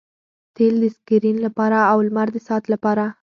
تیل د سکرین لپاره او لمر د ساعت لپاره